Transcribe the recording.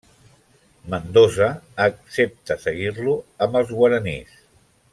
Mendoza accepta seguir-lo amb els guaranís.